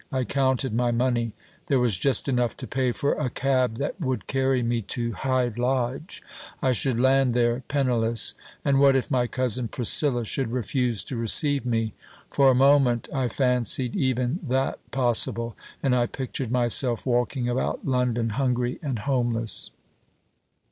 I counted my money. There was just enough to pay for a cab that would carry me to Hyde Lodge. I should land there penniless. And what if my cousin Priscilla should refuse to receive me? For a moment I fancied even that possible; and I pictured myself walking about London, hungry and homeless.